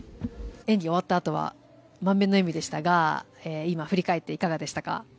演技が終わったあとは満面の笑みでしたが今、振り返っていかがでしたか？